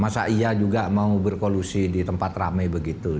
masa iya juga mau berkolusi di tempat rame begitu